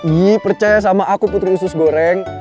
yee percaya sama aku putri usus goreng